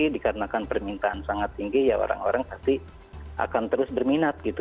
dikarenakan permintaan sangat tinggi ya orang orang pasti akan terus berminat gitu